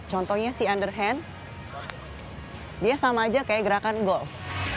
contohnya si underhand dia sama aja kayak gerakan golf